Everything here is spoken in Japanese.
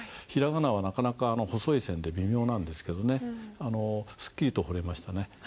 平仮名はなかなか細い線で微妙なんですけどねすっきりと彫れましたね。